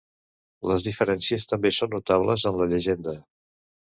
Les diferències també són notables en la llegenda.